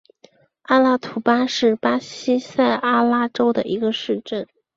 阿拉图巴是巴西塞阿拉州的一个市镇。